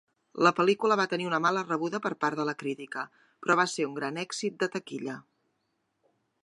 La pel·lícula va tenir una mala rebuda per part de la crítica, però va ser un gran èxit de taquilla.